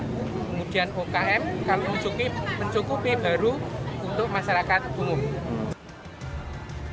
kemudian ukm kami mencukupi baru untuk masyarakat umum